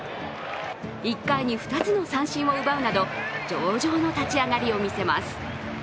１回に２つの三振を奪うなど、上々の立ち上がりを見せます。